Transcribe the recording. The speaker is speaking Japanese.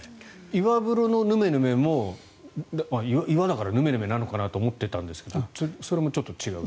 岩風呂のヌメヌメも岩だからヌメヌメなのかなと思っていたんですがそれもちょっと違うと。